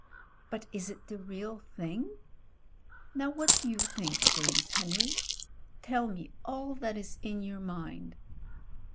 But is it the real thing? Now what do you think, James Henry? — ^tell me all that is in your mind.